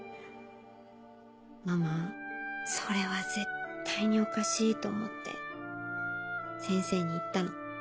ママそれは絶対におかしいと思って先生に言ったの。